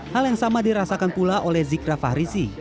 hal yang sama dirasakan pula oleh zikra fahrisi